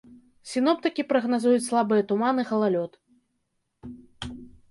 Сіноптыкі прагназуюць слабыя туман і галалёд.